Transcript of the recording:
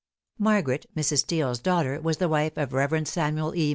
Margaret, Mrs. Steele's daughter, was the wife of the Rev. Samuel E.